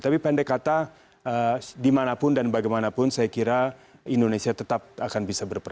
tapi pendek kata dimanapun dan bagaimanapun saya kira indonesia tetap akan bisa berperan